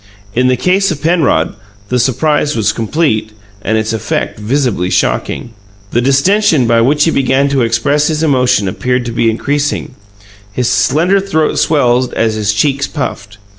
In the case of Penrod, the surprise was complete and its effect visibly shocking. The distention by which he began to express his emotion appeared to be increasing; his slender throat swelled as his cheeks puffed.